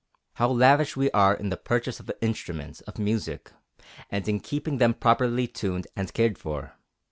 How lavish we are in the purchase of instruments of music, and in keeping them properly tuned and cared for.